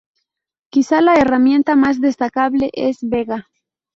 Quizá la herramienta más destacable es Vega.